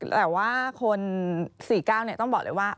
แต่ว่าคน๔๙ต้องบอกเลยว่า